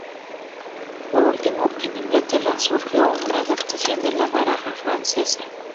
Por último en Inglaterra surgió una adaptación de la baraja francesa.